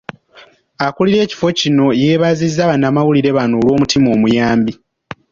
Akulira ekifo kino yeebazizza bannamawulire bano olw'omutima omuyambi.